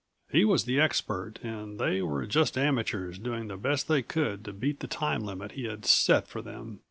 He was the expert and they were just amateurs doing the best they could to beat the time limit he had set for them.